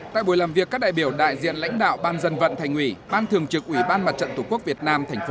tại buổi làm việc các đại biểu đại diện lãnh đạo ban dân vận thành ủy ban thường trực ủy ban mặt trận tổ quốc việt nam thành phố